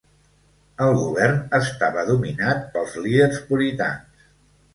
El govern estava dominat pels líders puritans.